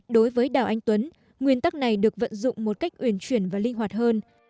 đối với đào anh tuấn nguyên tắc này được vận dụng một cách uyển chuyển và linh hoạt hơn